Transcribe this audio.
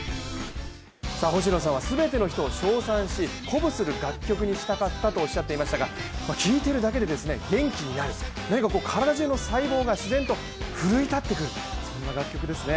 星野さんは全ての人を称賛し、鼓舞する楽曲にしたかったとおっしゃっていましたが聞いてるだけで元気になる何か体中の細胞が自然と奮い立ってくる、そんな楽曲ですね。